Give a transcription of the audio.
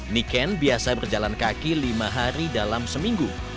niken biasa berjalan kaki lima hari dalam seminggu